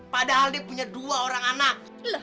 padahal dia punya dua orang anak